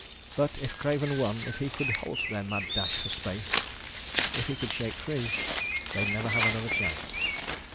But if Craven won if he could halt their mad dash for space, if he could shake free they'd never have another chance.